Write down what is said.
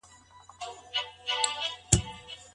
د خاوند د بد چلند ريښې څنګه پيدا کړو؟